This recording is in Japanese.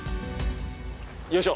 よいしょ。